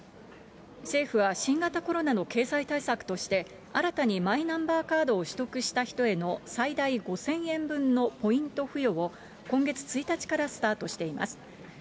政府は新型コロナの経済対策として、新たにマイナンバーカードを取得した人への最大５０００円分のポイント付与を、今月１日からスタートしています。